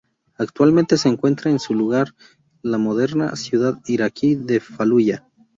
Actualmente se encuentra, en su lugar, la moderna ciudad iraquí de Faluya..